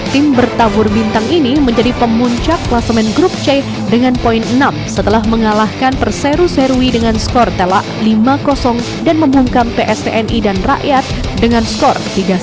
tim bertabur bintang ini menjadi pemuncak kelasemen grup c dengan poin enam setelah mengalahkan perseru serui dengan skor telak lima dan membungkam pstni dan rakyat dengan skor tiga satu